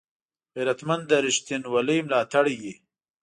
غیرتمند د رښتینولۍ ملاتړی وي